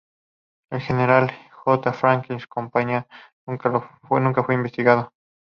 El general J. Franklin Campana nunca fue investigado.